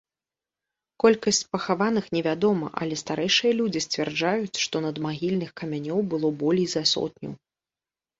Колькасць пахаваных невядома, але старэйшыя людзі сцвярджаюць, што надмагільных камянёў было болей за сотню.